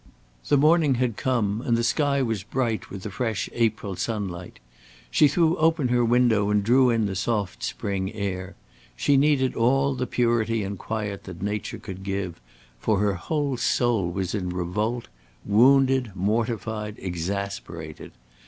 The morning had come, and the sky was bright with the fresh April sunlight. She threw open her window, and drew in the soft spring air. She needed all the purity and quiet that nature could give, for her whole soul was in revolt, wounded, mortified, exasperated.